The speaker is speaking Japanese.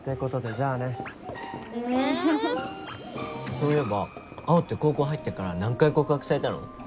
そういえば青って高校入ってから何回告白されたの？